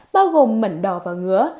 bao gồm mẩn đỏ và ngứa